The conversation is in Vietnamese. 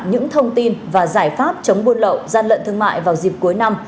những thông tin và giải pháp chống buôn lậu gian lận thương mại vào dịp cuối năm